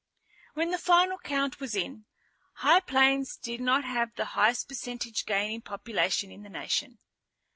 When the final count was in, High Plains did not have the highest percentage gain in population in the nation.